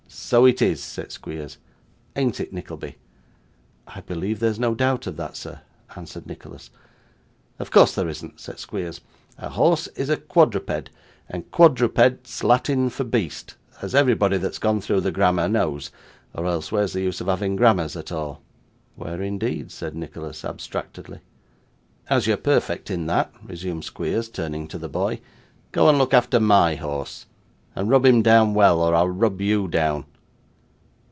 'So it is,' said Squeers. 'Ain't it, Nickleby?' 'I believe there is no doubt of that, sir,' answered Nicholas. 'Of course there isn't,' said Squeers. 'A horse is a quadruped, and quadruped's Latin for beast, as everybody that's gone through the grammar knows, or else where's the use of having grammars at all?' 'Where, indeed!' said Nicholas abstractedly. 'As you're perfect in that,' resumed Squeers, turning to the boy, 'go and look after MY horse, and rub him down well, or I'll rub you down.